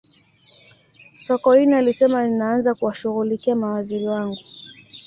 sokoine alisema ninaanza kuwashughulikia mawaziri wangu